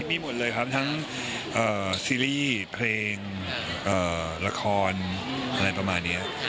มีหมดเลยครับทั้งซีรีส์เพลงละครอะไรประมาณนี้